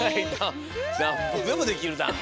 なんぼでもできるな。